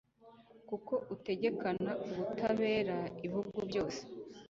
kuko utegekana ubutabera ibihugu byose